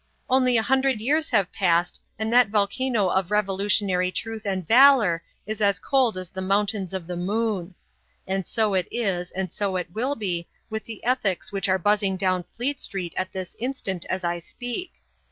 Only a hundred years have passed and that volcano of revolutionary truth and valour is as cold as the mountains of the moon. And so it is and so it will be with the ethics which are buzzing down Fleet Street at this instant as I speak.